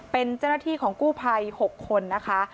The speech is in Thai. เป็นเจ้าหน้าที่ของกู้ภัย๖คนนะคะ